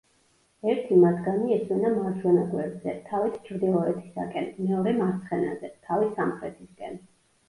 ერთი მათგანი ესვენა მარჯვენა გვერდზე, თავით ჩრდილოეთისაკენ, მეორე მარცხენაზე, თავით სამხრეთისკენ.